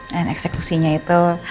dan eksekusinya itu